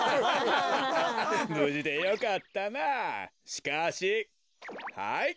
しかしはい。